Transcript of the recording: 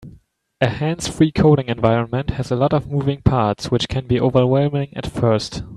A hands-free coding environment has a lot of moving parts, which can be overwhelming at first.